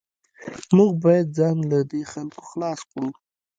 موږ باید ځان له دې خلکو خلاص کړو